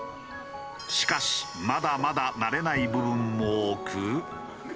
しかしまだまだ慣れない部分も多く。